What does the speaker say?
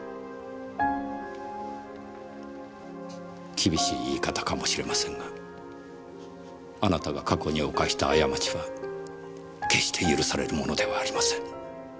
厳しい言い方かもしれませんがあなたが過去に犯した過ちは決して許されるものではありません。